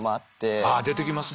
ああ出てきますね。